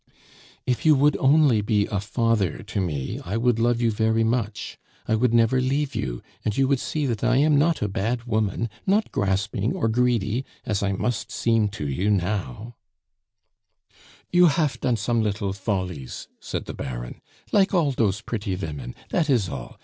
"If you would only be a father to me, I would love you very much; I would never leave you; and you would see that I am not a bad woman, not grasping or greedy, as I must seem to you now " "You hafe done some little follies," said the Baron, "like all dose pretty vomen dat is all.